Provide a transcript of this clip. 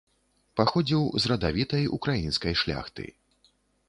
Паходзіў з радавітай украінскай шляхты.